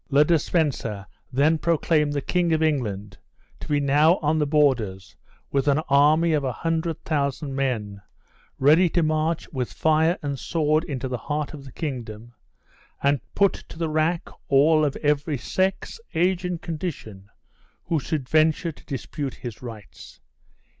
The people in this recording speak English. Le de Spencer then proclaimed the King of England to be now on the borders with an army of a hundred thousand men, ready to march with fire and sword into the heart of the kingdom, and put to the rack all of every sex, age, and condition, who should venture to dispute his rights.